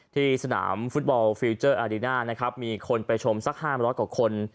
ที่สนามฟุตบอลฟิวเจอร์อารีน่ามีคนไปชมสักห้ามรถกว่าคน